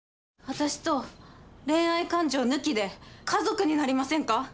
私と恋愛感情抜きで家族になりませんか？